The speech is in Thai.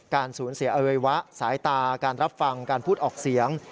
สูญเสียอวัยวะสายตาการรับฟังการพูดออกเสียง